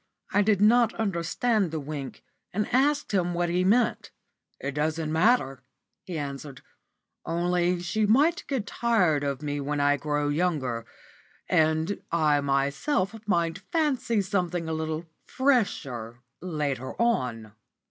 I did not understand the wink, and asked him what he meant. "It doesn't matter," he answered, "only she might get tired of me when I grow younger; and I myself might fancy something a little fresher later on."